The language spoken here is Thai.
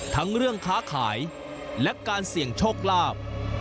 ทั้งเรื่องค้าขายและการเสี่ยงโชคลาภ